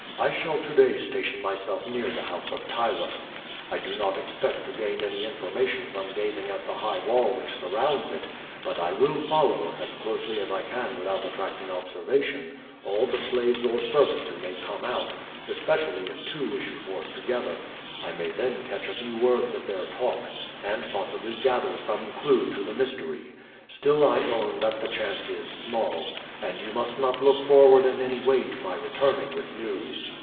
I shall to day station myself near the house of Ptylus. I do not expect to gain any information from gazing at the high wall which surrounds it, but I will follow, as closely as I can without attracting observation, all the slaves or servants who may come out, especially if two issue forth together; I may then catch a few words of their talk, and possibly gather some clew to the mystery. Still I own that the chance is small, and you must not look forward in any way to my returning with news."